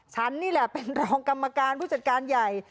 ฉันนี่แหละเป็นรองกรรมการผู้จัดการใหญ่